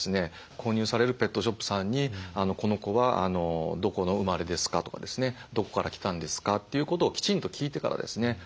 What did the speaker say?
購入されるペットショップさんに「この子はどこの生まれですか？」とかですね「どこから来たんですか？」ということをきちんと聞いてからですね